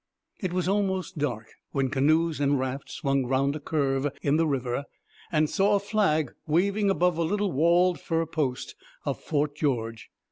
It was almost dark when canoes and rafts swung round a curve in the river and saw a flag waving above the little walled fur post of Fort George.